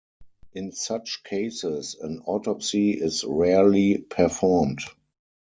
In such cases, an autopsy is rarely performed.